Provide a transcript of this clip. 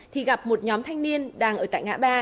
thì gặp một nhóm thanh niên đang ở tại ngã ba